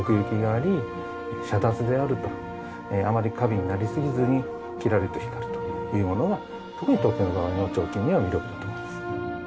あまり華美になりすぎずにキラリと光るというものが特に東京の場合の彫金には魅力だと思います。